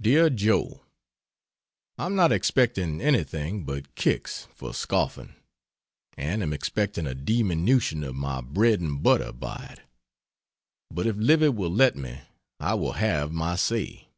DEAR JOE, I'm not expecting anything but kicks for scoffing, and am expecting a diminution of my bread and butter by it, but if Livy will let me I will have my say.